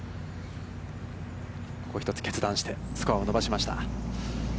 一つ決断して、スコアを伸ばしました。